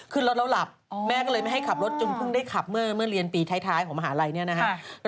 คือเราหลับแม่ก็เลยไม่ให้ขับรถจนเพิ่งได้ขับเมื่อเรียนปีท้ายของมหาลัยเนี่ยนะครับ